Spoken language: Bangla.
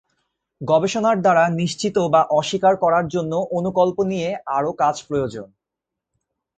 গবেষণার দ্বারা নিশ্চিত বা অস্বীকার করার জন্য অনুকল্প নিয়ে আরও কাজ প্রয়োজন।